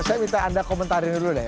saya minta anda komentari dulu deh